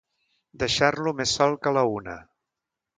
Deixar-lo més sol que la una.